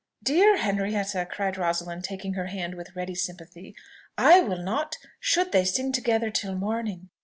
"Dear Henrietta!" cried Rosalind, taking her hand with ready sympathy, "I will not, should they sing together till morning.